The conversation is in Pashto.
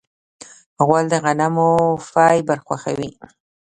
غول د غنمو فایبر خوښوي.